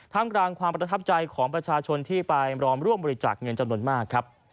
มกลางความประทับใจของประชาชนที่ไปรอมร่วมบริจาคเงินจำนวนมากครับ